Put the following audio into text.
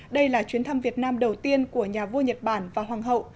đây là chuyến thăm việt nam đầu tiên của nhà vua nhật bản và hoàng hậu